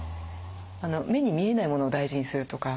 目に見えないモノを大事にするとか。